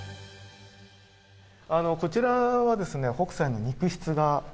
こちらはですね北斎の肉筆画です。